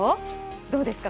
どうですか？